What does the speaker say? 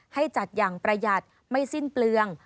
ให้จัดอย่างประหยัดไม่สิ้นเปลือง